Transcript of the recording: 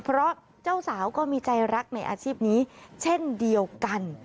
เพราะเจ้าสาวก็มีใจรักในอาชีพนี้เช่นเดียวกัน